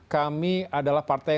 kami adalah partai